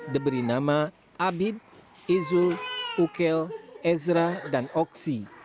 diberi nama abid izu ukel ezra dan oksi